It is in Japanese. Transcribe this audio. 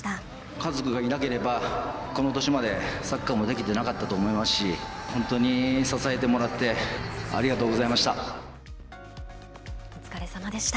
家族がいなければこの歳までサッカーもできてなかったと思いますし本当に支えてもらってありがとうございました。